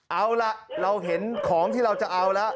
เอาล่ะเราเห็นของที่เราจะเอาแล้ว